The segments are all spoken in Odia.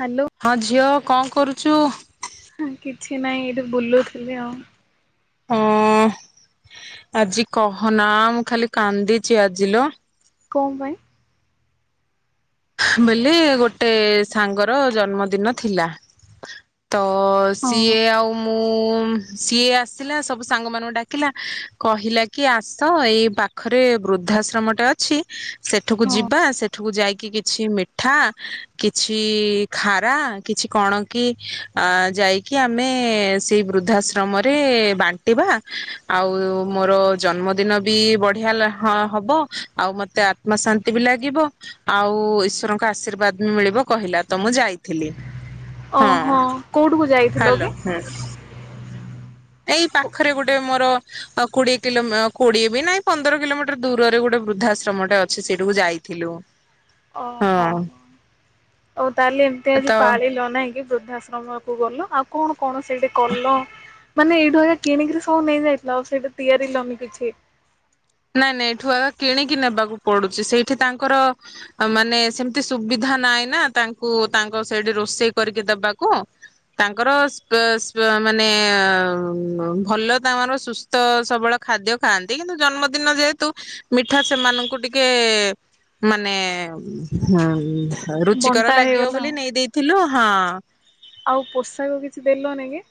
ହ୍ୟାଲୋ ହଁ ଝିଅ କଣ କରୁଛୁ? ହଁ କିଛି ନାହିଁ ଏଇଠୁ ବୁଲୁଥିଲି ଆଉ ଓ ଆଜି କହନା ମୁଁ ଖାଲି କାନ୍ଦିଛି ଆଜିିଲୋ? କମ୍ପାଇ? ବୋଲି ଗୋଟେ ସାଙ୍ଗର ଜନ୍ମଦିନ ଥିଲା ତ ହଁ ସିଏ ଆଉ ମୁଁ ସିଏ ଆସିଲା ସବୁ ସାଙ୍ଗ ମାନଙ୍କୁ ଡାକିଲା କହିଲା କି ଆସ ଏଇ ପାଖରେ ବୃଦ୍ଧାଶ୍ରମଟେ ଅଛି ସେଠୁକୁ ହଁ ଯିବା ସେଠୁକୁ ଯାଇକି ମିଠା କିଛି ଖାରା କିଛି କଣକି ଯାଇକି ଆମେ ସେଇ ବୃଦ୍ଧାଶ୍ରମରେ ବାଣ୍ଟିବା ଆଉ ମୋର ଜନ୍ମଦିନ ବି ବଢିଆ ହବ ଆଉ ମତେ ଆତ୍ମ ଶାନ୍ତି ବି ଲାଗିବ ଆଉ ଈଶ୍ଵରଙ୍କ ଆଶୀର୍ବାଦ ବି ମିଳିବ କହିଲା ତ ମୁଁ ଯାଇଥିଲି। ହଁ। ଓହୋ କୋଉଠିକୁ ଯାଇଥିଲ ହ୍ୟାଲୋ କି? ହୁଁ ଏଇ ପାଖରେ ଗୋଟେ ମୋର କୋଡିଏ କିଲୋ କୋଡିଏ ବି ନାଇଁ ପନ୍ଦର କିଲୋମିଟର ଦୂରରେ ଗୋଟେ ବୃଦ୍ଧାଶ୍ରମଟା ଅଛି ସେଇଟାକୁ ଯାଇଥିଲୁ ହଁ? ହଉ ତାହେଲେ ଏମିତି ଆଜି ତ ପାଳିଲ ନହିଁ କିି ବୃଦ୍ଧାଶ୍ରମ ଗଲ ଆଉ କଣ? କଣ ସେଇଠି କଲ? ମାନେ ଏଇଠୁ ଆ କିଣିକିରି ସବୁ ନେଇଯାଇଥିଲା ଆଉ ସେଇଟା ତିଆରି ଲନି କିଛି। ନାଇଁ ନାଇଁ ଏଇଠୁ ଆଗ କିଣିକି ନେବାକୁ ପଡୁଛି ସେଇଠି ତାଙ୍କର ମାନେ ସେମିତି ସୁବିଧା ନାହିଁ ନା ତାଙ୍କୁ ତାଙ୍କ ସେଇଠି ରୋଷେଇ କରିକି ଦେବାକୁ ତାଙ୍କର ମାନେ ଭଲ ତାମର ସୁସ୍ଥ ସବଳ ଖାଦ୍ୟ ଖାଆନ୍ତି କିନ୍ତୁ ଜନ୍ମ ଦିନ ଯେହେତୁ ମିଠା ସେମାନଙ୍କୁ ଟିକେ ମାନେ ରୁଚିକର ବଣ୍ଟା ଲାଗିବ ହେଇଗଲା ବୋଲି ଆଉ ନେଇ ଦେଇେଇଥିଲୁ,। ହଁ। ଆଉ ପୋଷାକ କିଛି ଦେଲ ନ କି?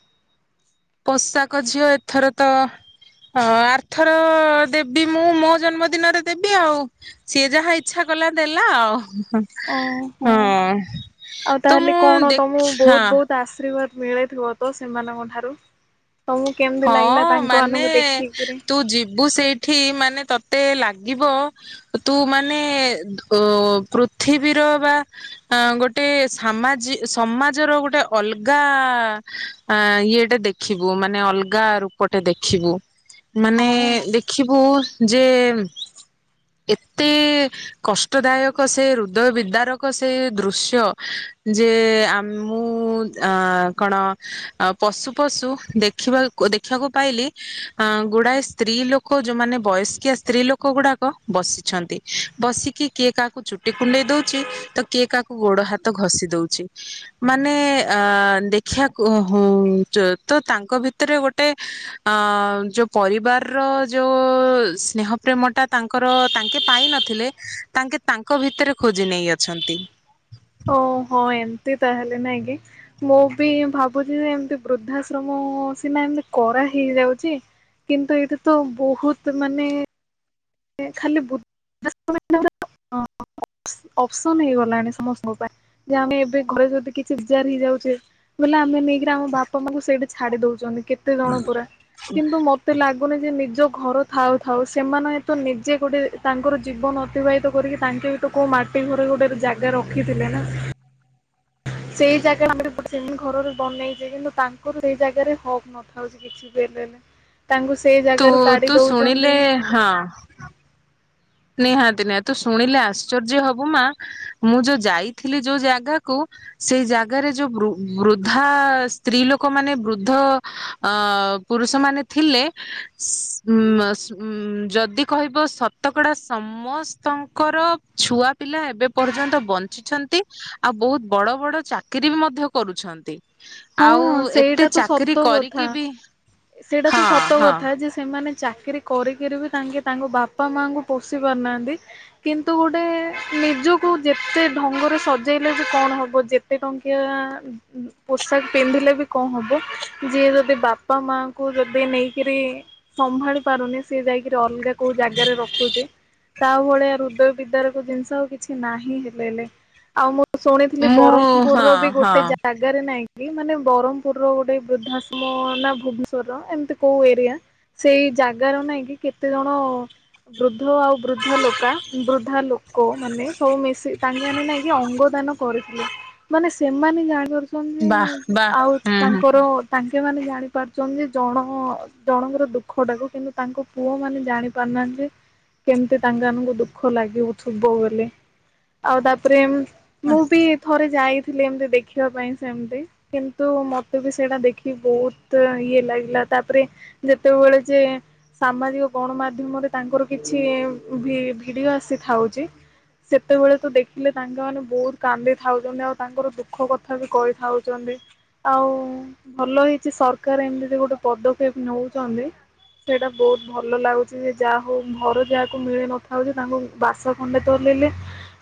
ପୋଷାକ ଝିଅ ଏଥର ତ ଅ ଆର୍ଥର ଦେବି ମୁଁ ମୋ ଜନ୍ମଦିନରେ ଦେବି ଆଉ ସିଏ ଯାହା ଇଚ୍ଛା କଲା ଦେଲା ଆଉ? ଓହୋ ହଁ ଆଉ ତ ତାହେଲେ ମୁଁ କଣ ତମକୁ ଦେଖି ବହୁତ ହଁ। ବହୁତ ଆଶୀର୍ବାଦ ମିଳିଥିବ ତ ସେମାନଙ୍କ ଠାରୁ। ତମକୁ କେମିତି ହଁ ଲାଗିଲା ତାଙ୍କ ମାନେ ମାନଙ୍କୁ ଦେଖିକିରି ତୁ ଯିବୁ ସେଇଠି ମାନେ ତ ମତେ ଲାଗିବ ତୁ ମାନେ ଅ ପୃଥିବୀର ବା ଗୋଟେ ସାମାଜ ସମାଜର ଗୋଟେ ଅଲଗା ଇଏଟେ ଦେଖିବୁ ମାନେ ଅଲଗା? ଗା ରୂପଟେ ଦେଖିବୁ- ମାନେ ହଁ ଦେଖିବୁ ଯେ ଏତେ କଷ୍ଟଦାୟକ ସେ ହୃଦୟ ବିଦାରକ ସେ ଦୃଶ୍ୟ ଯେ ଆମଁ ଅ କଣ ପଶୁ ପଶୁ ଦେଖିବା ଦେଖିବାକୁ ପାଇଲି ଅ ଗୁଡାଏ ସ୍ତ୍ରୀ ଲୋକ ଯୋଉମାନେ ବୟସ୍କିଆ ସ୍ତ୍ରୀ ଲୋକ ଗୁଡାକ ବସିଛନ୍ତି ବସିକି କିଏ କାହାକୁ ଚୁଟି କୁଣ୍ଡେଇ ଦଉଛି ତ କିଏ କାହାକୁ ଗୋଡ ହାତ ଘଷି ଦଉଛି ମାନେ ଅ ଦେଖିବାକୁ ତ ତାଙ୍କ ଭିତରେ ଗୋଟେ ଅ ଯୋଉ ପରିବାରର ଯୋଉ ସ୍ନେହ ପ୍ରେମ ଟା ତାଙ୍କର ତାଙ୍କେ ପାଇନଥିଲେ ତାଙ୍କେ ତାଙ୍କ ଭିତରେ ଖୋଜି ନେଇ ଅଛନ୍ତି। ଓ ହଁ ଏମତି ତାହେଲେ ନାଇଁ କି ମୁଁ ବି ଭାବୁଛି ଯେ ଏମତି ବୃଦ୍ଧାଶ୍ରମ ସିନା ଏମିତି କରା ହେଇଯାଉଛି କିନ୍ତୁ ଏଇଟା ତ ବହୁତ ମାନେ ଖାଲି ଅପସନ ହେଇଗଲାଣି ସମସ୍ତଙ୍କ ପାଇଁ ଯେ ଆମେ ଏବେ ଘରେ ଯଦି କିଛିଜାର ହେଇଯାଉଛେ ବୋଇଲେ ଆମେ ନେଇକିରି ଆମ ବାପା ମାଙ୍କୁ ସେଇଠି ଛାଡି ଦଉଛନ୍ତି। କେତେ ଜଣ ପୁରା କିନ୍ତୁ ମତେ ଲାଗୁନି ଯେ ନିଜ ଘର ଥାଉ ଥାଉ ସେମାନେ ତ ନିଜେ ଗୋଟେ ତାଙ୍କର ଜୀବନ ଅତିବାହିତ କରିକି ତାଙ୍କେ ଏଠୁ କୋଉ ମାଟି ଘରେ ଗୋଟେ ଜାଗା ରଖିଥିଲେ ନା। ସେଇ ଜାଗା ଘର ବନେଇଛ କିନ୍ତୁ ତାଙ୍କର ସେଇ ଜାଗାରେ ହକ୍ ନଥାଉଛି କିଛି ବି ହେଲେ। ତାଙ୍କୁ ସେଇ ତୁ ଜାଗାରୁ କାଢି ତୁ ଦଉଛନ୍ତି ଶୁଣିଲେ ହଁ। ନିହାତି ନିହା ତୁ ଶୁଣିଲେ ଆଶ୍ଚର୍ଯ୍ୟ ହବୁ ମା ମୁଁ ଯୋଉ ଯାଇଥିଲି ଯୋଉ ଜାଗାକୁ ସେଇ ଜାଗାରେ ଯୋଉ ବୃଦ୍ଧା ସ୍ତ୍ରୀ ଲୋକମାନୋନେ ବୃଦ୍ଧ ଅ ପୁରୁଷ ମାନେ ଥିଲେ ଯଦି କହିବ ସତ। ସେଗଡ଼ା ସମସ୍ତଙ୍କର ଛୁଆ ପିଲା ଏବେ ପର୍ଯ୍ୟନ୍ତ ବଞ୍ଚିଛନ୍ତି ଆଉ ବହୁତ ବଡ ବଡ ଚାକିରୀ ବି ମଧ୍ୟ କରୁଛନ୍ତି। ଆଉ ହଁ ଏତେ ସେଇଟା ତ ଚାକିରି ସତ କଥା କରିକି ବି ସେଇଟା ତ ହଁ ସତ ହଁ କଥା ଯେ ସେମାନେ ଚାକିରୀ କରିକିରି ବି ତାଙ୍କେ ତାଙ୍କ ବାପା ମାଙ୍କୁ ପୋଷି ପାରୁନାହାନ୍ତି କିନ୍ତୁ ଗୋଟେ ନିଜକୁ ଯେତେ ଢଙ୍ଗରେ ସଜେଇଲେ ଯେ କଣ ହବ ଯେତେ ଟଙ୍କିଆ ପୋଷାକ ପିନ୍ଧିଲେ ବି କଣ ହବ ଯିଏ ଯଦି ବାପା ମାଙ୍କୁୁ ଯଦି ନେଇକରି ସମ୍ଭାଳି ପାରୁନି ସିଏ ଯାଇକିରି ଅଲଗା କୋଉ ଜାଗାରେ ରଖୁଛେ ତା ଭଳିଆ ହୃଦୟ ବିଦାର ଜିନିଷ ଆଉ କିଛି ନାହିଁ ହେଲେ ହେଲେ ଆଉ। ମୁଁ ଶୁଣିଥିଲି ମୁଁ ହଁ ବ୍ରହ୍ମପୁରର ବି ହଁ ଗୋଟେ ଜାଗାରେ ନାଇଁ। ମାନେ ବ୍ରହ୍ମପୁର ର ଗୋଟେ ବୃଦ୍ଧାଶମ ନା ଭୁବନେଶ୍ୱରର ଏମିତି କୋଉ ଏରିଆ ସେଇ ଜାଗ ର ନାଇଁ କି କେତେ ଜଣ ବୃଦ୍ଧ ଆଉ ବୃଦ୍ଧା ଲୋକ ବୃଦ୍ଧା ଲୋକ ମାନେ ସବୁ ମିଶି ତାଙ୍କେ ମାନ ନାଇଁକ ଅଙ୍ଗଦାନ କରିଥିଲେ ମାନେ ସେମାନେ ଜାଣିପାରୁ ବାଃ ବାଃ ଆଉ ହୁଁ ତାଙ୍କର ତାଙ୍କ ମାନ ଜାଣି ପାରୁଛନ୍ତି ଯେ ଜଣ ଜଣଙ୍କର ଦୁଃଖ ଟାକୁ କିନ୍ତୁ ତାଙ୍କ ପୁଅ ମାନେ ଜାଣି ପାରୁନାହାନ୍ତି କେମିତି ତାଙ୍କ ମାନଙ୍କୁ ଦୁଃଖ ଲାଗିବଥିବ ବୋଲି ଆଉ ତାପରେ ମୁଁ ବି ଥରେ ଯାଇ ଏମିତି ଦେଖିବା ପାଇଁ ସେମତି କିନ୍ତୁ ମତେ ବି ସେଇଟା ଦେଖି ବହୁତ ଇଏ ଲାଗିଲା ତାପରେ ଯେତେବେଳେ ଯେ ସାମାଜିକ ଗଣମାଧ୍ୟମରେ ତାଙ୍କର କିଛି ଭିଡିଓ ଆସି ଥାଉଛି ସେତେବେଳେ ତ ଦେଖିଲେ ତାଙ୍କ ମାନେ ବହୁତ କାନ୍ଦି ଥାଉଛନ୍ତି ଆଉ ତାଙ୍କର ଦୁଃଖ କଥା ବି କହି ଥାଉଛନ୍ତି ଆଉ ଭଲ ହେଇଛି ସରକାର ଏମିତି ଗୋଟେ ପଦକ୍ଷେପ ନେଉଛନ୍ତି ସେଇଟା ବହୁତ ଭଲ ଲାଗୁଛି ଯେ ଯାହା ହଉ ଘର ଯାହାକୁ ମିଳି ନଥାଉଛି ତାଙ୍କୁ ବାସ ଖଣ୍ଡେ ତଲେ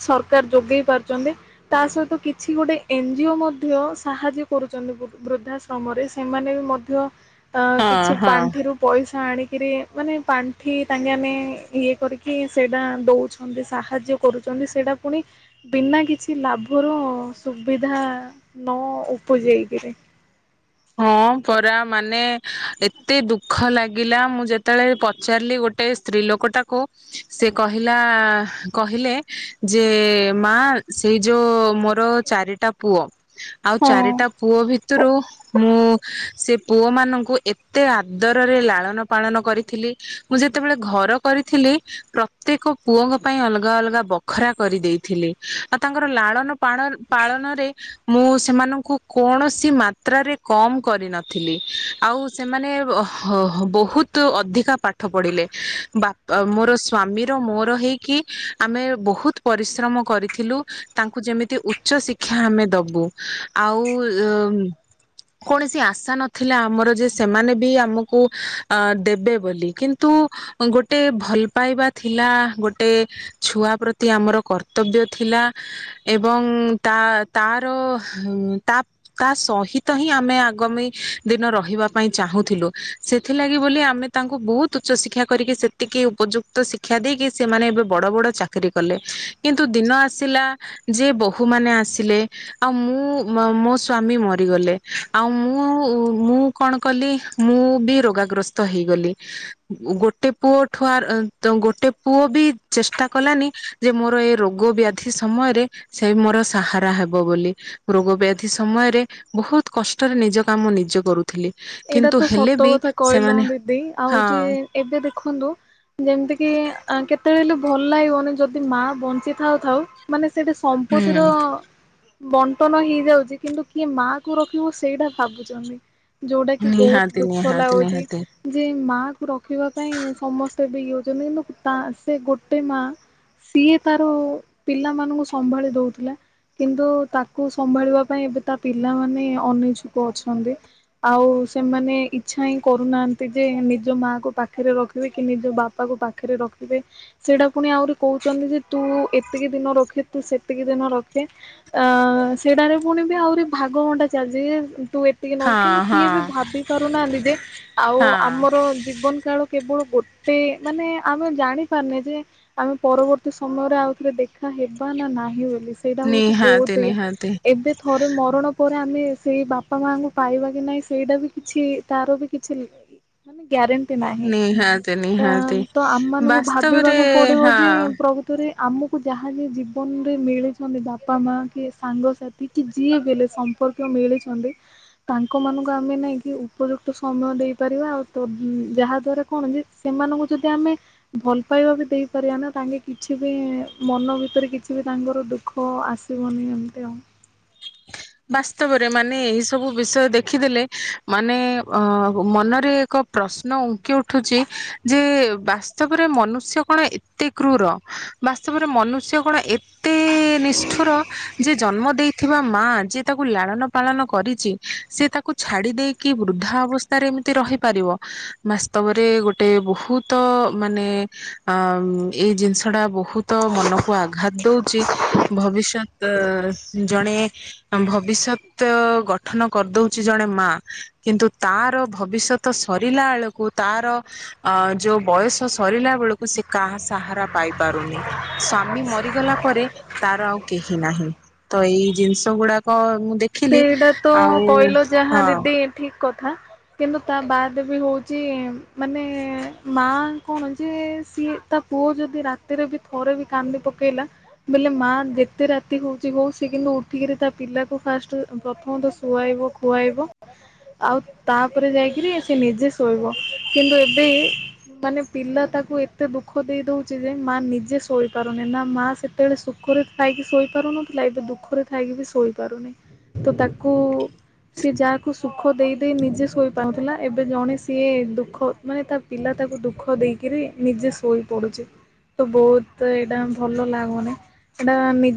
ସରକାର ଯୋଗେଇ ପାରୁଛନ୍ତି ତା ସହିତ କିଛି ଗୋଟେ ଏନଜିଓ ମଧ୍ୟ ମଧ୍ୟ ସାହାଯ୍ୟ କରୁଛନ୍ତି ବୃଦ୍ଧାଶ୍ରମରେ ସେମାନେ ବି ମଧ୍ୟ ଅ ହଁ କିଛି ହଁ ପାଣ୍ଠିରୁୁ ପଇସା ଆଣି କିରି ମାନେ ପାଣ୍ଠି ତାଙ୍କେ ମାନେ ଇଏ କରିକି ସେଇଟା ଦେଉଛନ୍ତି ସାହାଯ୍ୟ କରୁଛନ୍ତି ସେଇଟା ପୁଣି ବିନା କିଛି ଲାଭର ସୁବିଧା ନ ଉପୁଜେଇକିରି ହଁ ପରା ମାନେ ଏତେ ଦୁଃଖ ଲାଗିଲା ମୁଁ ଯେତେବେଳେ ପଚାରିଲି ଗୋଟେ ସ୍ତ୍ରୀ ଲୋକଟାକୁ ସେ କହିଲା କହିଲେ ଯେ ମା ସେଇ ଯୋଉ ମୋର ଚାରିଟା ପୁଅ ଆଉ ହଁ। ଚାରିଟା ପୁଅ ଭିତରୁ ମୁଁ ସେ ପୁଅ ମାନଙ୍କୁ ଏତେ ଆଦରରେ ଲାଳନ ପାଳନ କରିଥିଲି ମୁଁ ଯେତେବେଳେ ଘର କରିଥିଲି ପ୍ରତ୍ୟେକ ପୁଅଙ୍କ ପାଇଁ ଅଲଗା ଅଲଗା ବଖରା କରିଦେଇଥିଲି ଆଉ ତାଙ୍କର ଲାଳନ ପାଳ ପାଳନରେ ମୁଁ ସେମାନଙ୍କୁ କୌଣସି ମାତ୍ରାରେ କମ କରିନଥିଲି ଆଉ ସେମାନେ ବହୁତ ଅଧିକା ପାଠ ପଢିଲେ ବା ମୋର ସ୍ଵାମୀର ମୋର ହେଇକି ଆମେ ବହୁତ ପରିଶ୍ରମ କରିଥିଲୁ ତାଙ୍କୁ ଯେମିତି ଉଚ୍ଚ ଶିକ୍ଷା ଆମେ ଦବୁ ଆଉ କୌଣସି ଆଶା ନଥିଲା ଆମର ଯେ ସେମାନେ ବି ଆମକୁ ଦେବେ ବୋଲି କିନ୍ତୁ ଗୋଟେ ଭଲ ପାଇବା ଥିଲା ଗୋଟେ ଛୁଆ ପ୍ରତି ଆମର କର୍ତ୍ତବ୍ୟ ଥିଲା ଏବଂ ତା ତାର ତା ତା ସହିତ ହିଁ ଆମେ ଆଗାମୀ ଦିନ ରହିବା ପାଇଁ ଚାହୁଁଥିଲୁ ସେଥିଲାଗି ବୋଲି ଆମେ ତାଙ୍କୁ ବହୁତ ଉଚ୍ଚ ଶିକ୍ଷା କରିକି ସେତିକି ଉପଯୁକ୍ତ ଶିକ୍ଷା ଦେଇକି ସେମାନେ ଏବେ ବଡ ବଡ ଚାକିରୀ କଲେ କିନ୍ତୁ ଦିନ ଆସିଲା ଯେ ବୋହୂ ମାନ ଆସିଲେ ଆଉ ମୁଁ ମୋ ସ୍ଵାମୀ ମରିଗଲେ। ଆଉ ମୁଁ ମୁଁ କଣ କଲି ମୁଁ ବି ରୋଗାଗ୍ରସ୍ତ ହେଇଗଲି ଗୋଟେ ପୁଅ ଠୁଆ ଗୋଟେ ପୁଅ ବି ଚେଷ୍ଟା କଲାନି ଯେ ମୋର ଏ ରୋଗ ବ୍ୟାଧି ସମୟରେ ସେ ମୋର ସାହାରା ହେବ ବୋଲି ରୋଗ ବ୍ୟାଧି ସମୟରେ ବହୁତ କଷ୍ଟରେ ନିଜ କାମ ନିଜେ କରୁ ଏଇଟା ତ ସତ କଥା କହିଲ ସେମାନେ ଦିଦି ଆଉ ଯେ ହଁ ଏବେ ଦେଖନ୍ତୁ ଯେମିତି କିି କେତେବେଳେଲେ ଭଲ ଲାଗିବନି ଯଦି ମା ବଞ୍ଚି ଥାଉ ଥାଉ ମାନେ ସେଇଟା ସମ୍ପତ୍ତିର ବଣ୍ଟନ ହେଇଯାଉଚି କିନ୍ତୁ କିଏ ମା କୁ ରଖିବ ସେଇଟା ଭାବୁଚନ୍ତି। ଯୋଉଟା କି ବହୁତ ନିହାତି ଦୁଃଖ ନିହାତି ଲାଗୁଚି ନିହାତି ଯେ ମା କୁ ରଖିବା ପାଇଁ ସମସ୍ ଭାବି ହଉଚନ୍ତି କିନ୍ତୁ ତା ସେ ଗୋଟେ ମା ସିଏ ତାର ପିଲାମାନଙ୍କୁ ସମ୍ଭାଳି ଦଉଥିଲା କିନ୍ତୁ ତାକୁ ସମ୍ଭାଳିବା ପାଇଁ ଏବେ ତା ପିଲାମାନେ ଅନିଇଚ୍ଛୁକ ଅଛନ୍ତି। ଆଉ ସେମାନେ ଇଚ୍ଛା ହିଁ କରୁନାହାନ୍ତି ଯେ ନିଜ ମା କୁ ପାଖରେ ରଖିବେ କି ନିଜ ବାପାକୁ ପାଖରେ ରଖିବେ ସେଇଟା ପୁଣି ଆହୁରି କହୁଚନ୍ତି ଯେ ତୁ ଏତିକି ଦିନ ରଖେ ତୁ ସେତିକି ଦିନ ରଖେ ଅ ସେଟାରେ ପୁଣି ବି ଆହୁରି ଭାଗବଣ୍ଟା ଚାଲିଚି ୟେ ତୁ ଏତିକି ନବୁ ହଁ କିନ୍ତୁ ହଁ କିଏ ବି ଭାବି ପାରୁନାହାନ୍ତି ଯେ ଆଉ ହଁ ଆମର ଜୀବନ କାଳ କେବଳ ଗୋଟେ ମାନେ ଆମେ ଜାଣିପାରୁନେ ଯେ ଆମେ ପରବର୍ତ୍ତୀ ସମୟରେ ଆଉଥରେ ଦେଖାହେବା ନା ନାହିଁ ବେଲି। ସେଇଟା ହଉଚି ବହୁତ ନିହାତି ନିହାତି ଏବେ ଥରେ ମରଣ ପର୍ ଆମେ ସେଇ ବାପା ମାଙ୍କୁ ପାଇବା କି ନାଇଁ ସେଇଟା ବି କିଛି ତାର ବି କିଛି ଗାରେଣ୍ ଟି ନାହିଁ ନିହାତି ଏଁ ନିହାତି ତ ଆମମାନଙ୍କୁ ବାସ୍ତବରେ ଭାବିବାକୁ ପଡିବ ଯେ ହଁ ପ୍ରକୃତରେ ଆମକୁ ଯାହା ବି ଜୀବନରେ ମିଳିଚନ୍ତି ବାପା ମା କି ସାଙ୍ଗସାଥି କି ଯିଏ ବେଲେ ସମ୍ପର୍କୀୟ ମିଳିଚନ୍ତି ତାଙ୍କ ମାନଙ୍କୁ ଆମେ ନେଇକି ଉପଯୁକ୍ତ ସମୟ ଦେଇପାରିବା ଆଉ ତ ଯାହା ଦ୍ଵାରା କଣ ଯେ ସେମାନଙ୍କୁ ଯଦି ଆମେ ଭଲ ପାଇବା ବି ଦେଇପାରିବା ନା ତାଙ୍କେ କିଛି ବି ମନ ଭିତରେ କିଛି ବି ତାଙ୍କର ଦୁଃଖ ଆସିବନି ଏମିତି ଆଉ। ବାସ୍ତବରେ ମାନେ ଏଇ ସବୁ ବିଷୟ ଦେଖିଦେଲେ ମାନେ ଅ ମନରେ ଏକ ପ୍ରଶ୍ନ ଉଙ୍କି ଉଠୁଚି ଯେ ବାସ୍ତବରେ ମନୁଷ୍ୟ କଣ ଏତେ କ୍ରୁର ବାସ୍ତବରେ ମନୁଷ୍ୟ କଣ ଏତ୍ ତେ ନିଷ୍ଠୁର ଯେ ଜନ୍ମ ଦେଇ ଥିବା ମାର୍ ଯିଏ ତାକୁ ଲାଳନ ପାଳନ କରିଚି ସେ ତାକୁ ଛାଡି ଦେଇକି ବୃଦ୍ଧା ଅବସ୍ଥାରେ ଏମିତି ରହିପାରିବ ବାସ୍ତବରେ ଗୋଟେ ବହୁତ ମାନେ ଅ ଏଇ ଜିନିଷଟା ବହୁତ ମନକୁ ଆଘାତ ଦଉଚି ଭବିଷ୍ୟତ ଜଣେ ଭବିଷ୍ୟତ ଗଠନ କରିଦଉଚି ଜଣେ ମା କିନ୍ତୁ ତାର ଭବିଷ୍ୟତ ସରିଲାଳକୁ ତାର ଅ ଯୋଉ ବୟସ ସରିଲା ବେଳକୁ ସେ କାହା ସାହାରା ପାଇପାରୁନି ସ୍ଵାମୀ ମରିଗଲା ପରେ ତାର ଆଉ କେହି ନାହିଁ ତ ଏଇ ଜିନିଷ ଗୁଡା କ ମୁଁ ସେଇଟା ତ କହିଲ ଯାହା ହଁ ଦିଦି ଠିକ୍ କଥା କିନ୍ତୁ ତା ବାଦ ବି ହଉଚି ମାନେ ମା କଣ ଯେ ସିଏ ତା ପୁଅ ଯଦି ରାତିରେ ବି ଥରେ ବି କାନ୍ଦି ପକେଇଲା ବେଲେ ମା ଯେତେ ରାତି ହଉଚି ହଉ ସିଏ କିନ୍ତୁ ଉଠିକିରି ତା ପିଲାକୁ ଫାଷ୍ଟ ପ୍ରଥମତ ଶୁଆଇବ ଖୁଆଇବ ଆଉ ତାପରେ ଯାଇକିରି ସେ ନିଜେ ଶୋଇବ କିନ୍ତୁ ଏବେ ମାନେ ପିଲା ତାକୁ ଏତେ ଦୁଃଖ ଦେଇ ଦଉଚି ଯେ ମା ନିଜେ ଶୋଇପାରୁନି ନା ମା ସେତେବେଳେ ସୁଖରେ ଥାଇକି ଶୋଇପାରୁନଥିଲା ଏବେ ଦୁଃଖରେ ଥାଇକି ବି ଶୋଇପାରୁନି। ତ ତାକୁ ସିଏ ଯାହାକୁ ସୁଖ ଦେଇ ଦେଇ ନିଜେ ଶୋଇପାରୁଥିଲା ଏବେ ଜଣେ ସିଏ ଦୁଃଖ ମାନେ ତା ପିଲା ତାକୁ ଦୁଃଖ ଦେଇକରି ନିଜେ ଶୋଇ ପଡୁଚି ତ ବହୁତ ଏଇଟା ଭଲ ଲାଗୁନ ଏଇଟା ମି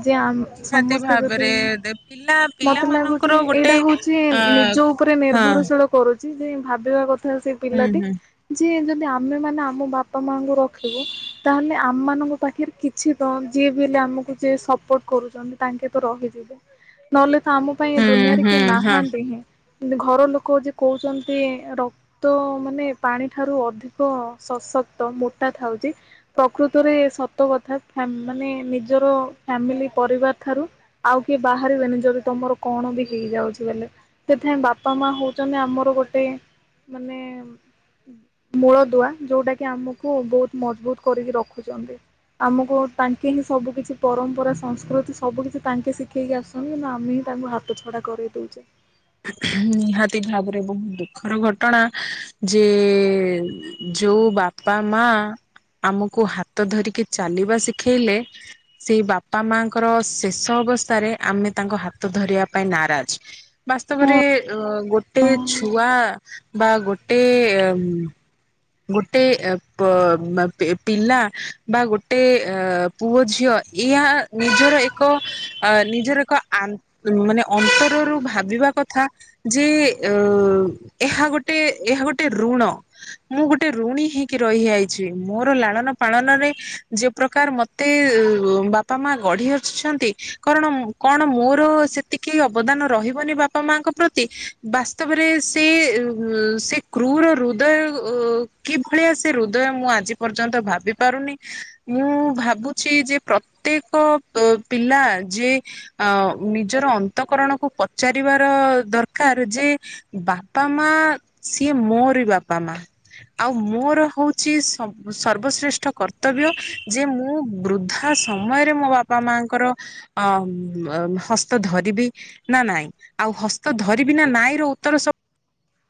ନିହାତି ଭାବରେ ଦେ ପିଲା ମତେ ଲାଗୁଚି ପିଲାମାନଙ୍କର ଗୋଟେ ଏଇଟା ହଉଚି ଅ ନିଜ ଉପରେ ହଁ ନିର୍ଭରଶୀଳ କରୁ ସେ ଯେ ଭାବିବା କଥା ସେ ହୁଁ ପିଲାଟି ହୁଁ ଯିଏ ଯଦ୍ ଇ ଆମେମାନେ ଆମ ବାପା ମାଙ୍କୁ ରଖିବୁ ତାହେଲେ ଆମ ମାନଙ୍କ ପାଖରେ କିଛି ତ ଯିଏ ବି ହେଲେ ଆମକୁ ଯେ ସର୍ପୋଟ କରୁଚନ୍ତି ତାଙ୍କେ ତ ରହିଯିବ ନଲେ ଆମ ପାଇଁ ଏ ହୁଁ ଦୁନିଆରେ ହୁଁ କିଏ ହଁ ନାହାନ୍ତି ହିଁ। ଘର ଲୋକ ଯେ କହୁଚନ୍ତି ରକ୍ତ ମାନେ ପାଣି ଠାରୁ ଅଧିକ ସଶକ୍ତ ମୋଟା ଥାଉଚି ପ୍ରକୃତରେ ସତ କଥା ଫ୍ୟା ମାନେ ନିଜର ଫ୍ୟାମିଲି ପରିବାର ଠାରୁ ଆଉ କିଏ ବାହାରିବେ ନିଜର ତମର କଣ ବି ହେଇଯାଉଚି ବେଲେ ସେଥାଇଁ ବାପା ମା ହଉଚନ୍ତି ଆମର ଗୋଟେ ମାନେ ମୂଳ ଦୁଆ ଯୋଉଟା କି ଆମକୁ ବହୁତ ମଜବୁତ କରିକି ରଖୁଚନ୍ତି ଆମକୁ ତାଙ୍କେ ହିଁ ସବୁ କିଛି ପରମ୍ପରା ସଂସ୍କୃତି ସବୁ କିଛି ତାଙ୍କେ ଶିଖେଇକି ଆସିଚନ୍ତି କିନ୍ତୁ ଆମେ ତାଙ୍କୁ ହାତ ଛଡା କରିଦଉଚେ। ନିହାତି ଭାବରେ ବହୁତ ଦୁଃଖର ଘଟଣା ଯେ ଯୋଉ ବାପା ମା ଆମକୁ ହାତ ଧରିକି ଚାଲିବା ଶିଖେଇଲେ ସେଇ ବାପା ମାଙ୍କର ଶେଷ ଅବସ୍ଥାରେ ଆମେ ତାଙ୍କ ହାତ ଧରିବା ପାଇଁ ନାରାଜ। ବାସ୍ତବରେ ଅ ଗୋଟେ ହଁ। ଛୁଆ ବା ଗୋଟେ ଗୋଟେ ଏ ବ ଏ ପିଲା ବା ଗୋଟେ ଅ ପୁଅ ଝିଅ ଏହା ନିଜର ଏକ ଅ ନିଜର ଏକ ଆନ୍ତ ଅନ୍ତରରୁ ଭାବିବା କଥା ଯେ ଅ ଏହା ଗୋଟେ ଏହା ଗୋଟେ ଋଣ ମୁଁ ଗୋଟେ ଋଣୀ ହେଇକି ରହିଆଇଚି ମୋର ଲାଳନ ପାଳନରେ ଯେଉ ପ୍ରକାର ମତେ ବାପା ମା ଗଢି ଆସିଚନ୍ତି କାରଣ କଣ ମୋର ସେତିକି ଅବଦାନ ରହିବନି ବାପା ମାଙ୍କ ପ୍ରତି ବାସ୍ତବରେ ସେ ସେ କ୍ରୁର ହୃଦୟ ଓ କିଭଳିଆ ସେ ହୃଦୟ ମୁଁ ଆଜି ପର୍ଯ୍ୟନ୍ତ ଭାବି ପାରୁନି ମୁଁ ଭାବୁଛି ଯେ ପ୍ରତ୍ୟେକ ଅ ପିଲା ଯେ ନିଜର ଅନ୍ତକରଣକୁ ପଚାରିବାର ଦରକାର ଯେ ବାପା ମା ସିଏ ମୋରି ବାପା ମା। ଆଉ ମୋର ହଉଚ଼ି ସବ୍ ସର୍ବଶ୍ରେଷ୍ଠ କର୍ତ୍ତବ୍ୟ ଯେ ମୁଁ ବୃଦ୍ଧା ସମୟରେ ମୋ ବାପା ମାଙ୍କର ଅ ହସ୍ତ ଧରିବି ନା ନାଇଁ ଆଉ ହସ୍ତ ଧରିବି ନା ନାଇଁ ର ଉତ୍ତର ସବ୍